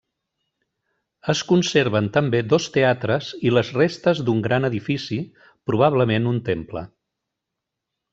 Es conserven també dos teatres i les restes d'un gran edifici, probablement un temple.